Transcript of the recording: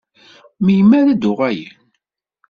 Melmi ad d-uɣalen?